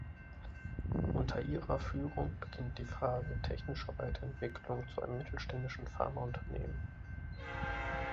Unter ihrer Führung beginnt die Phase technischer Weiterentwicklungen zu einem mittelständischen Pharma-Unternehmen.